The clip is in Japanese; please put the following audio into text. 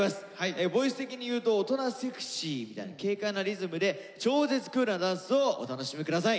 ボイス的にいうと大人セクシーみたいな軽快なリズムで超絶クールなダンスをお楽しみください。